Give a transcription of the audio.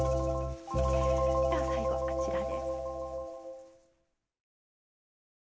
では最後こちらで。